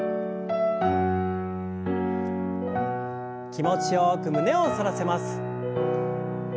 気持ちよく胸を反らせます。